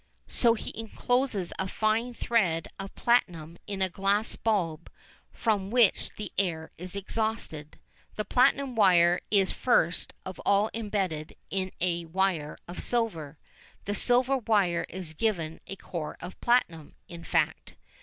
So he encloses a fine thread of platinum in a glass bulb from which the air is exhausted. The platinum wire is first of all embedded in a wire of silver: the silver wire is given a core of platinum, in fact.